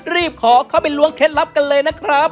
รีบขอเข้าไปล้วงเคล็ดลับกันเลยนะครับ